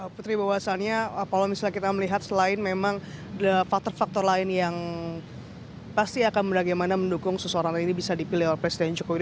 putri bahwasannya kalau misalnya kita melihat selain memang faktor faktor lain yang pasti akan bagaimana mendukung seseorang ini bisa dipilih oleh presiden jokowi